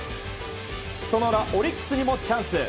その裏、オリックスにもチャンス。